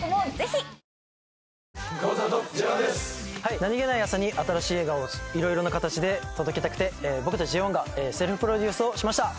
何げない朝に新しい笑顔を色々な形で届けたくて僕たちＪＯ１がセルフプロデュースをしました。